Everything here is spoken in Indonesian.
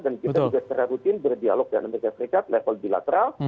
dan kita juga secara rutin berdialog dengan amerika serikat level bilateral